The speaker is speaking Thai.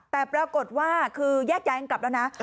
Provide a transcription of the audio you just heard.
แต่ปรากฏว่าคือแยกย้ายกันกลับแล้วนะ